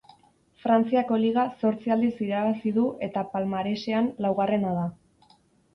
Frantziako Liga zortzi aldiz irabazi du eta palmaresean laugarrena da.